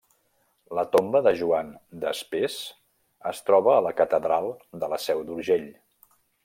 La tomba de Joan d'Espés es troba a la Catedral de la Seu d'Urgell.